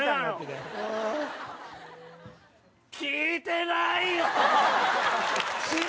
聞いてないよー！